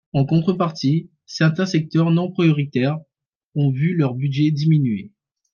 En contrepartie, certains secteurs non prioritaires ont vu leur budget diminuer.